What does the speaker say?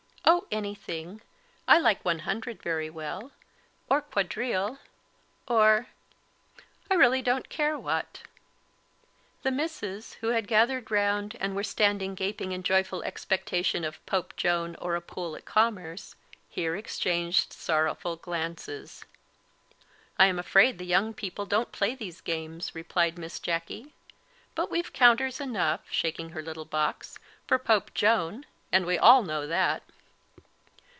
"Oh, anything; I like 100 very well, or quadrille, or 1 really don't care what." The Misses, who had gathered round, and were standing gaping in joyful expectation of Pope Joan, or a pool at commerce, here exchanged sorrowful glances. "I am afraid the young people don't play these games," replied Miss Jacky; "but we've counters enough," shaking her little box, "for Pope Joan, and we all know that."